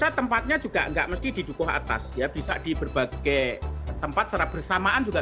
saya tempatnya juga enggak mesti di dukuh atas ya bisa di berbagai tempat secara bersamaan juga